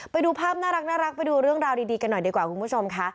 ไปดูภาพน่ารักไปดูเรื่องราวดีกันหน่อยดีกว่าคุณผู้ชมค่ะ